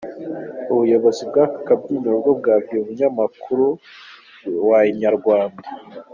Ubuyobozi bw’aka kabyiniro bwo bwabwiye umunyamakuru wa Inyarwanda.